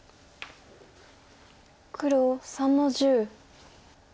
黒３の十。